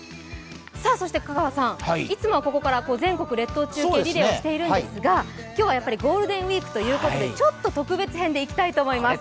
そして香川さん、いつもはここから全国列島中継リレーをしているんですが今日はゴールデンウイークということでちょっと特別編でいきたいと思います。